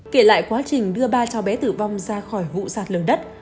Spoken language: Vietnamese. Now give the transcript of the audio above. kể lại quá trình đưa ba cháu bé tử vong ra khỏi vụ sạt lở đất